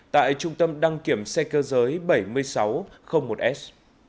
tại trung tâm đăng kiểm xe cơ giới bảy nghìn sáu trăm linh một s